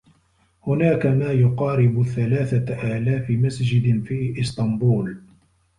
هناك ما يقارب الثّلاثة آلاف مسجد في إسطنبول.